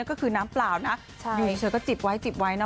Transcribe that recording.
ก็คือน้ำเปล่านะอยู่เฉยก็จิบไว้จิบไว้นะ